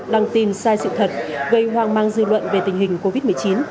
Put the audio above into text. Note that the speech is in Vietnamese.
đăng tin sai sự thật gây hoang mang dư luận về tình hình covid một mươi chín